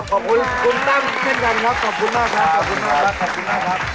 ขอบคุณมากครับครับคุณมากครับครับคุณมากครับ